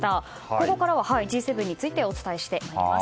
ここからはＧ７についてお伝えしてまいります。